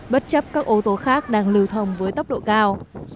bất chấp các ô tô khác đang lưu thông với tốc độ cao